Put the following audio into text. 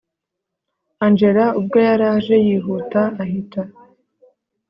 angella ubwo yaraje yihuta ahita